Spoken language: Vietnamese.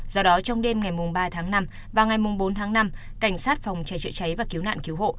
do đó trong đêm ngày ba tháng năm và ngày bốn tháng năm cảnh sát phòng cháy chữa cháy và cứu nạn cứu hộ